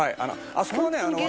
あそこのね